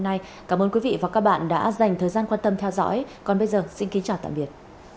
hôm nay cảm ơn quý vị và các bạn đã dành thời gian quan tâm theo dõi còn bây giờ xin kính chào tạm biệt